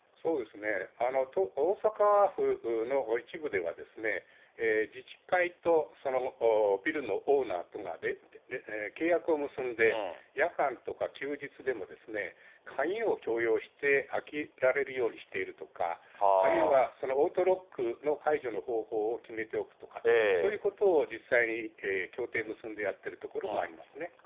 大阪府の一部では、自治会とビルのオーナーとが契約を結んで、夜間とか休日でも鍵を共用して開けられるようにしているとか、あるいはオートロックの解除の方法を決めておくとか、そういうことを実際に協定結んでやってるところもありますね。